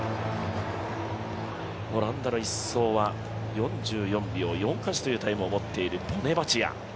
オランダの１走は４４秒４８というタイムを持っているボネバチア。